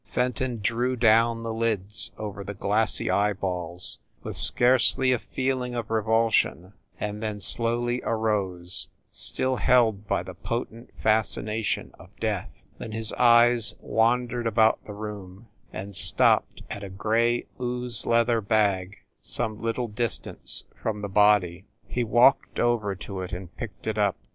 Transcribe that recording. Fenton drew down the lids over the glassy eyeballs with scarcely a feeling of revulsion, and then slowly arose, still held by the potent fascination of death. Then his eyes wandered about the room, and stopped at a gray ooze leather bag some little distance away from the body. He walked over to it and picked it up.